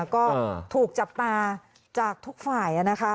ก็ถูกจับตาจากทุกฝ่าย